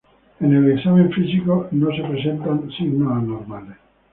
En el examen físico, no se presentan signos anormales.